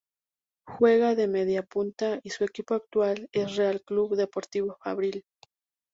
Juega de mediapunta y su equipo actual es el Real Club Deportivo Fabril.